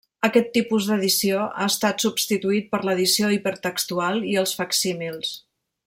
Aquest tipus d'edició ha estat substituït per l'edició hipertextual i els facsímils.